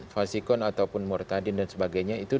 fasikun ataupun mortadin dan sebagainya itu